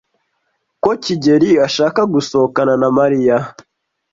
ko kigeli ashaka gusohokana na Mariya.